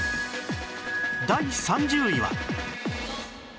第３０位は